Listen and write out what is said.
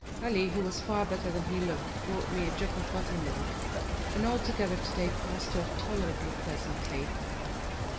Ali, who was far better than he looked, brought me a jug of buttermilk, and altogether today passed off tolerably pleasantly.